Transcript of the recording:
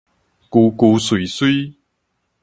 龜龜祟祟